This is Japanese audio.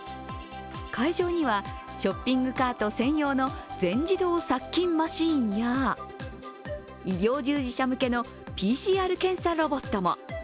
会場にはショッピングカート専用の全自動殺菌マシーンや医療従事者向けのＰＣＲ検査ロボットも。